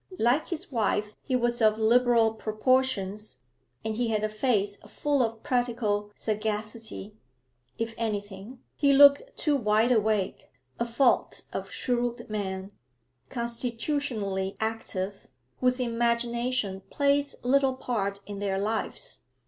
Like his wife, he was of liberal proportions, and he had a face full of practical sagacity; if anything, he looked too wide awake, a fault of shrewd men, constitutionally active, whose imagination plays little part in their lives.